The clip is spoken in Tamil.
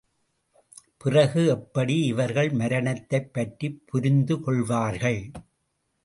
பிறகு எப்படி இவர்கள் மரணத்தைப் பற்றிப் புரிந்து கொள்வார்கள்?